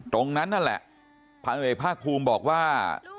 ตรงนั้นนั่นแหละภาคภูมิบอกว่า